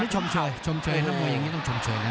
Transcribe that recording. อันนี้ชมเฉยชมเฉย